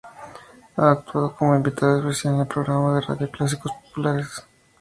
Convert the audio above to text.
Ha actuado como invitado especial en el programa de radio "Clásicos populares".